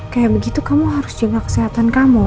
kayak begitu kamu harus jaga kesehatan kamu